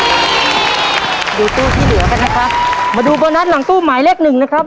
ตู้ที่เหลือกันนะคะมาดูโบนัสหลังตู้หมายเลขหนึ่งนะครับ